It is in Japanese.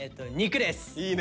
いいね！